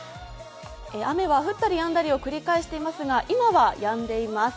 雨は降ったりやんだりを繰り返していますが今はやんでいます。